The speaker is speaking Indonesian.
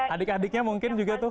adik adiknya mungkin juga tuh